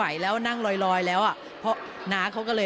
อาการป่วยของคุณพ่อไม่ได้น่าเป็นห่วงอย่างที่คิดเลย